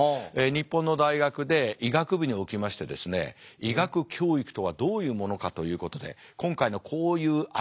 日本の大学で医学部におきましてですね医学教育とはどういうものかということで今回のこういうありようテストの。